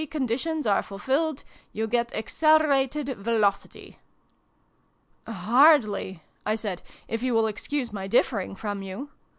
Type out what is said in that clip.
191 conditions are fulfilled, you get Accelerated Velocity." " Hardly," I said :"' if you will excuse my differing from you.